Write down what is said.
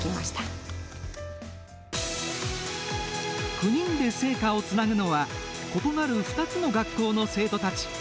９人で聖火をつなぐのは、異なる２つの学校の生徒たち。